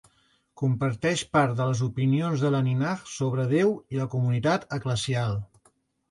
Comparteix part de les opinions de la Ninah sobre Déu i la comunitat eclesial.